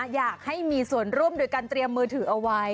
อยากให้มีส่วนร่วมโดยการเตรียมมือถือเอาไว้